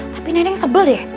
tapi neneng sebel deh